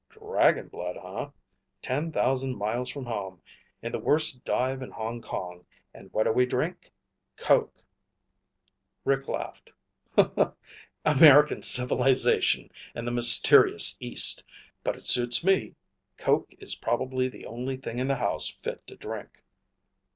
"Dragon blood, huh? Ten thousand miles from home, in the worst dive in Hong Kong, and what do we drink? Coke!" Rick laughed. "American civilization and the mysterious East. But it suits me. Coke is probably the only thing in the house fit to drink."